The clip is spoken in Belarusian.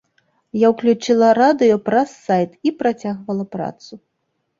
Я ўключыла радыё праз сайт і працягвала працу.